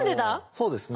そうですね